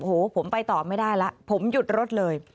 หัวผมไปต่อไม่ได้แหละผมหยุดรถเลย